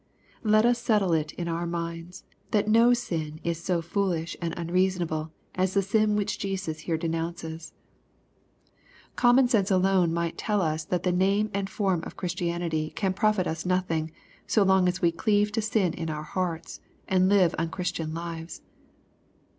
Let us settle it in our minds, that no sin is so foolish and unreasonable as the sin which Jesus here denounces. 196 EXPOSITORY THOUGHTS. Common sense alone might tell us that the name and form of Christianity can profit us nothing, so long as we cleave to sin in our hearts, and live unchristian lives.